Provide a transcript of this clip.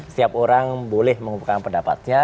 setiap orang boleh mengumpulkan pendapatnya